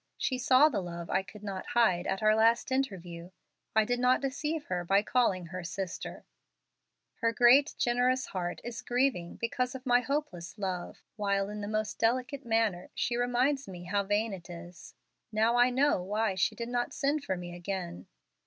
She saw the love I could not hide at our last interview. I did not deceive her by calling her 'sister.' Her great, generous heart is grieving because of my hopeless love, while in the most delicate manner she reminds me how vain it is. Now I know why she did not send for me again."